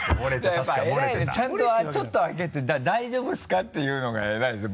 やっぱ偉いねちゃんとちょっと開けて「大丈夫ですか？」って言うのが偉いですね。